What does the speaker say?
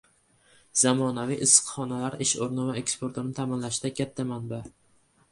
Zamonaviy issiqxonalar ish o‘rni va eksportni ta’minlashda katta manba